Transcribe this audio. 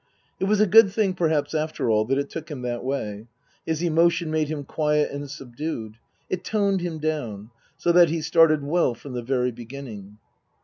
It was a good thing, perhaps, after all, that it took him that way. His emotion made him quiet and subdued ; it toned him down, so that he started well from the very beginning.